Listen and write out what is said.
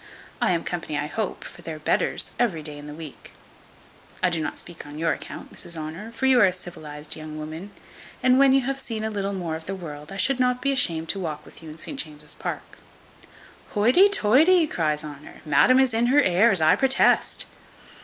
I am company, I hope, for their betters every day in the week. I do not speak on your account, Mrs Honour; for you are a civilized young woman; and when you have seen a little more of the world, I should not be ashamed to walk with you in St James's Park." "Hoity toity!" cries Honour, "madam is in her airs, I protest.